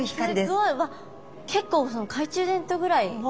わっ結構懐中電灯ぐらい。